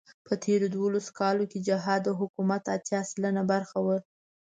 په تېرو دولسو کالو کې جهاد د حکومت اتيا سلنه برخه وه.